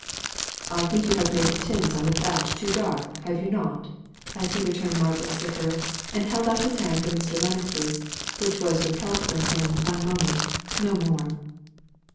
"I think you have made the tints on the thatch too dark, have you not?" as he returned Margaret's to her, and held out his hand for Mr. Lennox's, which was withheld from him one moment, no more.